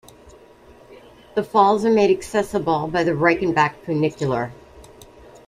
The falls are made accessible by the Reichenbach Funicular.